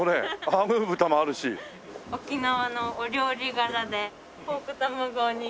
沖縄のお料理柄でポーク卵おにぎりも。